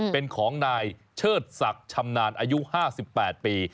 เป็นของนายเชิดศักดิ์ชำนาญอายุ๕๘ปี